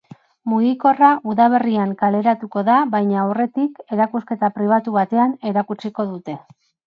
Mugikorra udaberrian kaleratuko da baina aurretik, erakusketa pribatu batean erakutsiko dute.